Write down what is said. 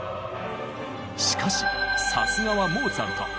しかしさすがはモーツァルト！